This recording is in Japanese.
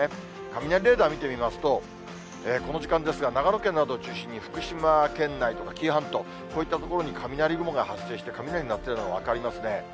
雷レーダー見てみますと、この時間ですが、長野県などを中心に、福島県内とか紀伊半島、こういった所に雷雲が発生して、雷が鳴っているのが分かりますね。